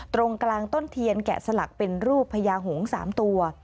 ตรงกลางต้นเทียนแกะสลักเป็นรูปพญาหงษ์๓ตัว